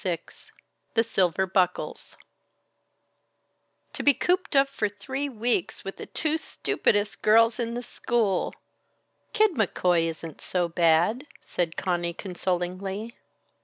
VI The Silver Buckles "To be cooped up for three weeks with the two stupidest girls in the school " "Kid McCoy isn't so bad," said Conny consolingly.